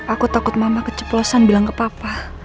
aku takut mama keceplosan bilang ke papa